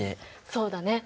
そうだね。